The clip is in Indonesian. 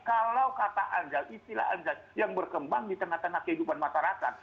kalau kata anjal istilah anjal yang berkembang di tengah tengah kehidupan masyarakat